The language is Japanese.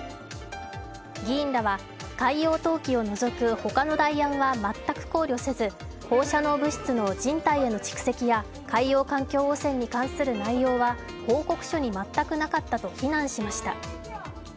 議員らは海洋投棄を除く他の代案は全く考慮せず放射能物質の人体への蓄積や海洋環境汚染に関する内容は報告書に全くなかったと非難しました。